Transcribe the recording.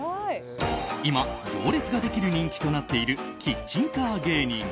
今、行列ができる人気となっているキッチンカー芸人。